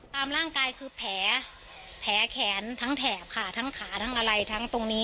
ตามร่างกายคือแผลแขนทั้งแถบค่ะทั้งขาทั้งอะไรทั้งตรงนี้